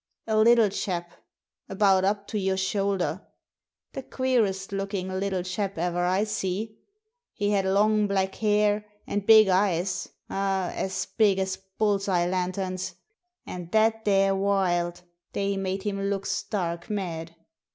"A little chap, about up to your shoulder — ^the queerest looking little chap ever I see. He had long black hair, and big eyes — ah, as big as bull's eye lanterns !— and that there wild, they made him look stark mad.